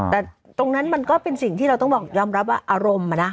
แต่ตรงนั้นมันก็เป็นสิ่งที่เราต้องบอกยอมรับว่าอารมณ์